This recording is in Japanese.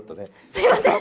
すみません。